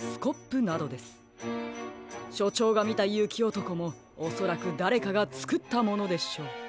しょちょうがみたゆきおとこもおそらくだれかがつくったものでしょう。